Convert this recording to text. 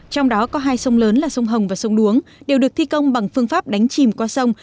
trong đó có hai sông lớn là sông hồng và sông đuống đều được thi công bằng phương pháp đánh chìm qua sông